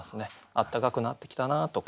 暖かくなってきたなとか。